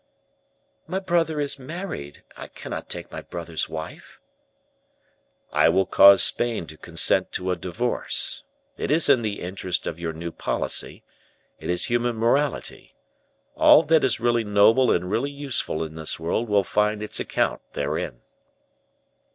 "My brother is married; I cannot take my brother's wife." "I will cause Spain to consent to a divorce; it is in the interest of your new policy; it is human morality. All that is really noble and really useful in this world will find its account therein."